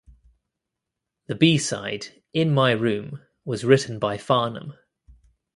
The B-side, "In My Room" was written by Farnham.